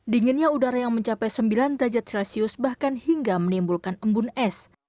dinginnya udara yang mencapai sembilan derajat celcius bahkan hingga menimbulkan embun es